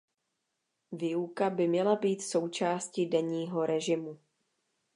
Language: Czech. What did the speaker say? Výuka by měla být součástí denního režimu.